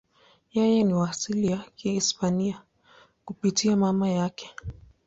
Yeye ni wa asili ya Kihispania kupitia mama yake.